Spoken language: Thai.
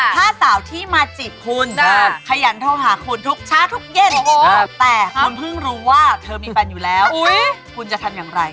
ถ้าสาวที่มาจีบคุณขยันโทรหาคุณทุกเช้าทุกเย็นแต่คุณเพิ่งรู้ว่าเธอมีแฟนอยู่แล้วคุณจะทำอย่างไร